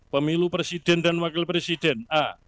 satu pemilu presiden dan wakil presiden